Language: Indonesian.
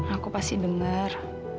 aku pasti denger